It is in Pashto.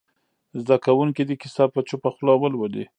زده کوونکي دې کیسه په چوپه خوله ولولي.